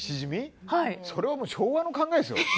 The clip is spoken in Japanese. それはもう昭和の考えですよ。